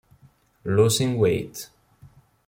Losing Weight